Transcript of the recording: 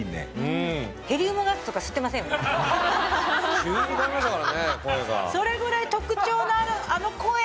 急に変わりましたからね声が。